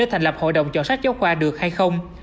hội đồng chọn sách giáo khoa được hay không